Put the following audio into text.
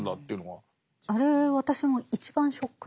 あれ私も一番ショックで。